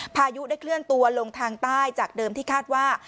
พายุได้เคลื่อนตัวลงทางใต้จากเดิมที่คาดว่า